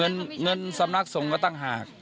เงินสำนักสมวัตถ์ก็ตั้งหาก